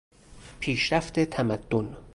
پیشرفت تمدن